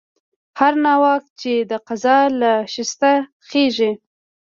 هر ناوک چې د قضا له شسته خېژي.